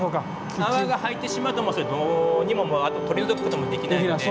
泡が入ってしまうとそれどにももうあと取り除くこともできないので。